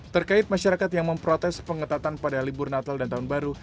terkait masyarakat yang memprotes pengetatan pada libur natal dan tahun baru